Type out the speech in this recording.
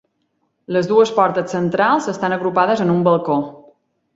Les dues portes centrals estan agrupades en un balcó.